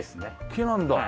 木なんだ。